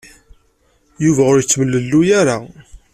Yuba ur yettemlelluy ara.